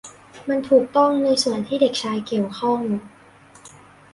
มันถูกต้องในส่วนที่เด็กชายเกี่ยวข้อง